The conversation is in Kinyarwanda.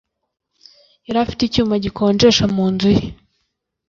Yari afite icyuma gikonjesha mu nzu ye.